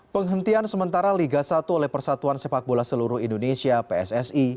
penghentian sementara liga satu oleh persatuan sepak bola seluruh indonesia pssi